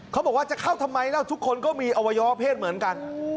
เขาบอกว่าจะเข้าทำไมแล้วทุกคนก็มีอวัยวะเพศเหมือนกัน